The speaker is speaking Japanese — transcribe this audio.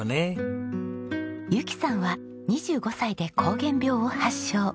ゆきさんは２５歳で膠原病を発症。